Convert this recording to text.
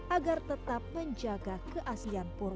agar tetap menjaga keaslian pura